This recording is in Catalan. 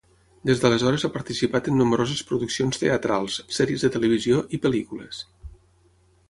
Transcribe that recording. Des d'aleshores ha participat en nombroses produccions teatrals, sèries de televisió i pel·lícules.